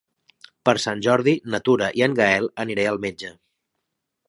Per Sant Jordi na Tura i en Gaël aniré al metge.